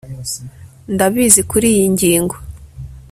Ndabizi kuriyi ngingo